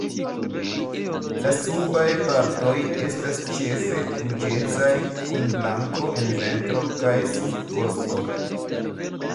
La subaj partoj estas ĉefe ruĝecaj kun blanko en ventro kaj subvosto.